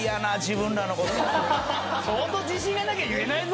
相当自信がなきゃ言えないぞ！